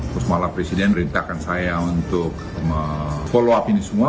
pusmala presiden merintahkan saya untuk follow up ini semua